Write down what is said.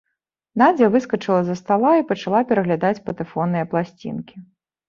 Надзя выскачыла з-за стала і пачала пераглядаць патэфонныя пласцінкі.